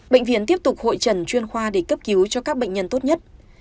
bệnh viện tiếp tục hội trần chuyên khoa để cấp cứu cho các bệnh nhân tốt nhất